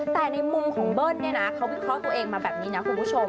แต่ในมุมของเบิ้ลเนี่ยนะเขาวิเคราะห์ตัวเองมาแบบนี้นะคุณผู้ชม